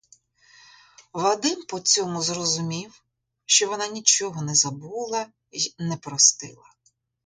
Вадим по цьому зрозумів, що вона нічого не забула й не простила.